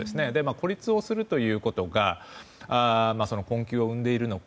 孤立をするということが困窮を生んでいるのか。